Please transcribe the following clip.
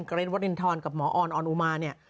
เกรทวรินทรกับหมอออนออนอุมาเนี่ย